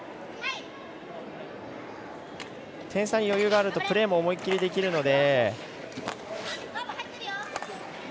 点差に余裕があるとプレーも思い切りできるので。